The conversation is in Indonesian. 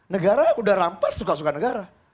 negara udah rampas suka suka negara